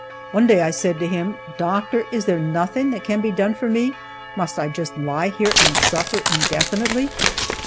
One day I said to him, "Doctor, is there nothing that can be done for me? Must I just lie here and suffer indefinitely?"